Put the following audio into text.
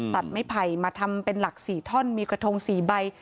ตัดไม้ไผ่มาทำเป็นหลัก๔ท่อนมีกระทง๔ใบ